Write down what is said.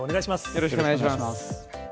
よろしくお願いします。